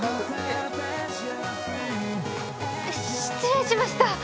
失礼しました。